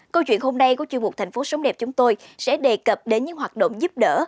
câu chuyện hôm nay của chương mục thành phố sống đẹp chúng tôi sẽ đề cập đến những hoạt động giúp đỡ